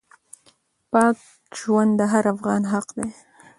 پاک ژوند د هر افغان حق دی.